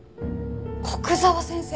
古久沢先生